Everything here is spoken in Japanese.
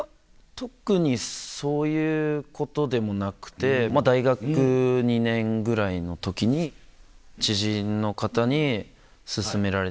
特にそういうことでもなくて大学２年ぐらいの時に知人の方に勧められ。